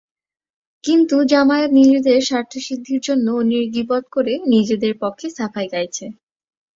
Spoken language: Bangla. কিন্তু জামায়াত নিজেদের স্বার্থসিদ্ধির জন্য অন্যের গিবত করে নিজেদের পক্ষে সাফাই গাইছে।